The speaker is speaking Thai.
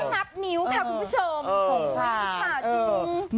ตอนนี้ไม่ต้องนับนิ้วค่ะคุณผู้ชม